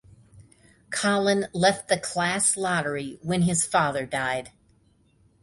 Collin left the Class Lottery when his father died.